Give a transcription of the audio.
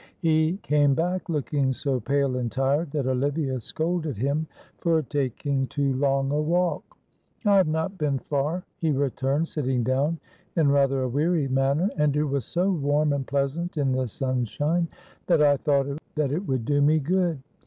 He came back looking so pale and tired that Olivia scolded him for taking too long a walk. "I have not been far," he returned, sitting down in rather a weary manner, "and it was so warm and pleasant in the sunshine that I thought it would do me good."